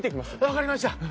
分かりました。